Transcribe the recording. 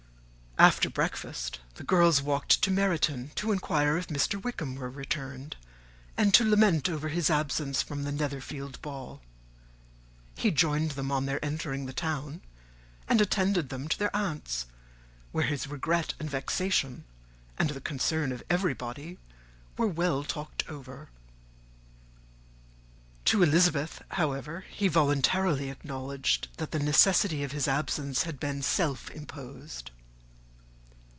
After breakfast, the girls walked to Meryton, to inquire if Mr. Wickham were returned, and to lament over his absence from the Netherfield ball. He joined them on their entering the town, and attended them to their aunt's, where his regret and vexation and the concern of everybody were well talked over. To Elizabeth, however, he voluntarily acknowledged that the necessity of his absence had been self imposed.